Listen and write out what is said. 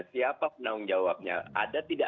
siapa penanggung jawabnya ada tidak